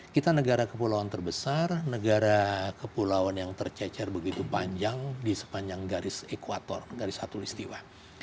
kita negara kepulauan terbesar negara kepulauan yang tercecer begitu panjang di sepanjang garis ekwator garis satu listiwa